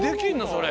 それ。